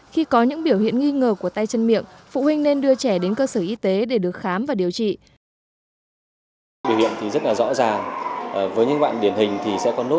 khi có những biểu hiện nghi ngờ của tay chân miệng phụ huynh nên đưa trẻ đến cơ sở y tế để được khám và điều trị